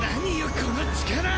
この力！